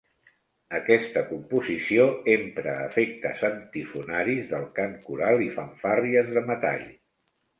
Aquesta composició empra efectes antifonaris del cant coral i fanfàrries de metall.